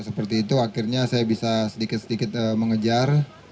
seperti itu akhirnya saya bisa sedikit sedikit mengejar